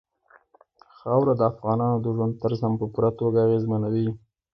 خاوره د افغانانو د ژوند طرز هم په پوره توګه اغېزمنوي.